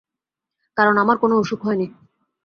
কারণ আমার কোনো অসুখ হয় নি।